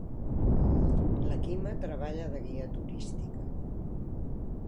La Quima treballa de guia turística.